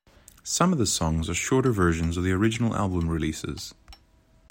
Some of the songs are shorter versions of the original album releases.